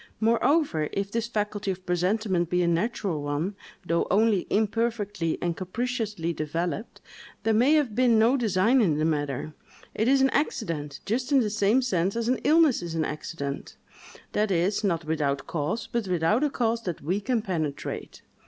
Moreover, if this faculty of presentiment be a natural one, though only imperfectly and capriciously developed, there may have been no design in the matter: it is an accident, just in the same sense as an illness is an accident; that is, not without cause, but without a cause that we can penetrate.